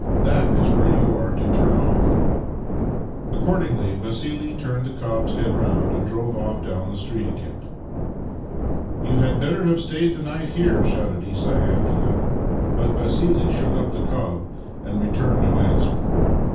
That is where j'ou are to turn off." Accordingly Vassili turned the cob's head round, ajad drove off down the street again. " You had better have stayed the night here," shouted Isai after them, but Vassili shook up the cob and returned no answer.